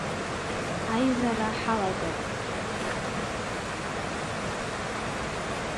Аизара ҳалагап.